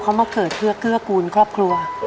เขามาเกิดเพื่อเกื้อกูลครอบครัว